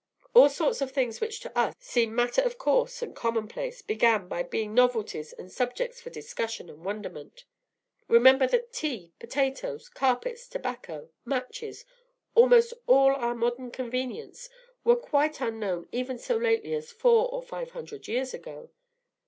All sorts of things which to us seem matter of course and commonplace, began by being novelties and subjects for discussion and wonderment. Remember that tea, potatoes, carpets, tobacco, matches, almost all our modern conveniences, were quite unknown even so lately as four or five hundred years ago.